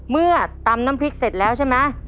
เมื่อตำน้ำพริกเสร็จแล้วใช่ไหม